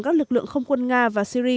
các lực lượng không quân nga và syri